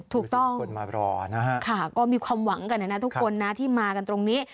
ถูกต้องค่ะก็มีความหวังกันนะทุกคนนะที่มากันตรงนี้